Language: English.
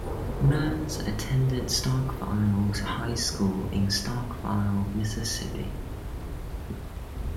Milons attended Starkville High School in Starkville, Mississippi.